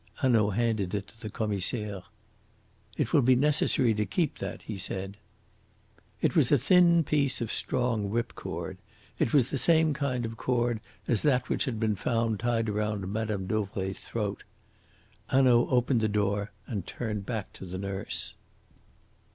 Hanaud handed it to the Commissaire. "It will be necessary to keep that," he said. It was a thin piece of strong whipcord. It was the same kind of cord as that which had been found tied round Mme. Dauvray's throat. Hanaud opened the door and turned back to the nurse.